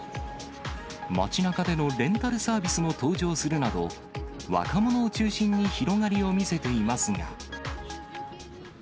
街なかでのレンタルサービスも登場するなど、若者を中心に広がりを見せていますが。